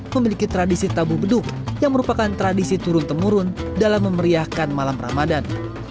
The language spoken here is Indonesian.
memiliki tradisi tabu beduk yang merupakan tradisi turun temurun dalam memeriahkan malam ramadan